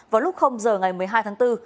vào lúc giờ ngày một mươi hai tháng bốn